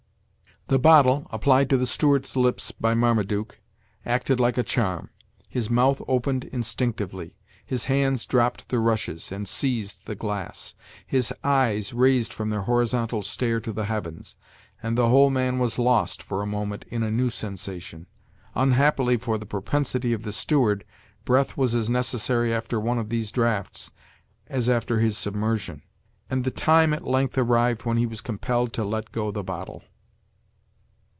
The bottle, applied to the steward's lips by Marmaduke, acted like a charm. His mouth opened instinctively; his hands dropped the rushes, and seized the glass; his eyes raised from their horizontal stare to the heavens; and the whole man was lost, for a moment, in a new sensation. Unhappily for the propensity of the steward, breath was as necessary after one of these draughts as after his submersion, and the time at length arrived when he was compelled to let go the bottle.